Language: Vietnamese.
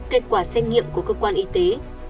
kết quả xem nhé